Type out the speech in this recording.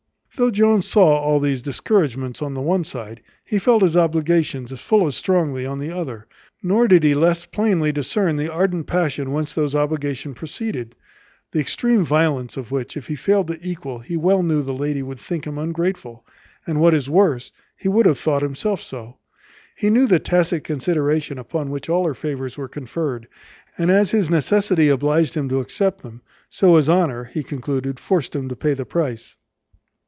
Though Jones saw all these discouragements on the one side, he felt his obligations full as strongly on the other; nor did he less plainly discern the ardent passion whence those obligations proceeded, the extreme violence of which if he failed to equal, he well knew the lady would think him ungrateful; and, what is worse, he would have thought himself so. He knew the tacit consideration upon which all her favours were conferred; and as his necessity obliged him to accept them, so his honour, he concluded, forced him to pay the price.